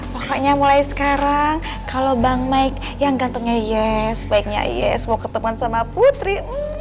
pokoknya mulai sekarang kalau bang mike yang gantungnya yes sebaiknya yes mau ketemu sama putri